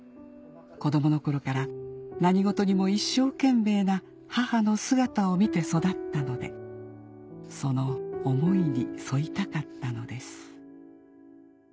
子供の頃から何事にも一生懸命な母の姿を見て育ったのでその思いに沿いたかったのです